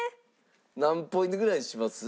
何ポイントぐらいにします？